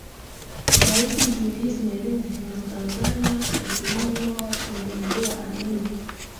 Raisi Julius Nyerere wa Tanzania aliamua kumwondoa Amin